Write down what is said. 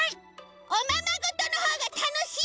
おままごとのほうがたのしい！